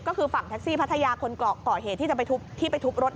ก็คือฝั่งแท็กซี่พัทยาคนเกาะเหตุที่จะไปทุบที่ไปทุบรถ